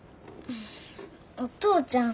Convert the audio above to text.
お父ちゃん